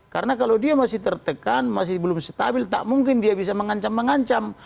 karena kalau dia masih tertekan masih belum stabil tak mungkin dia bisa mengancam mengancam